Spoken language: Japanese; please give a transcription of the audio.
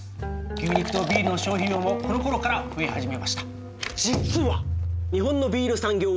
牛肉とビールの消費量もこのころから増え始めました。